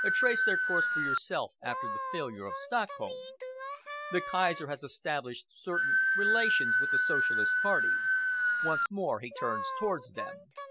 Trace their course for yourself after the failure of Stockholm. The Kaiser has established certain relations with the Socialist Party. Once more he turns towards them.